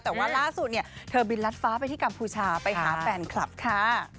แต่ว่าล่าสุดเนี่ยเธอบินรัดฟ้าไปที่กัมพูชาไปหาแฟนคลับค่ะ